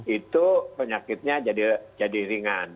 itu penyakitnya jadi ringan